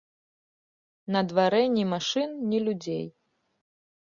На дварэ ні машын, ні людзей.